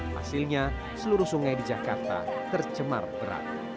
hasilnya seluruh sungai di jakarta tercemar berat